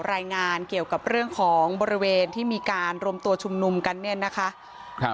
รายงานเกี่ยวกับเรื่องของบริเวณที่มีการรวมตัวชุมนุมกันเนี่ยนะคะครับ